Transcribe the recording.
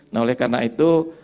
nah oleh karena itu